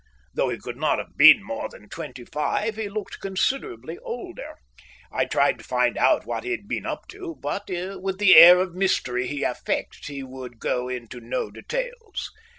Though he could not have been more than twenty five, he looked considerably older. I tried to find out what he had been up to, but, with the air of mystery he affects, he would go into no details.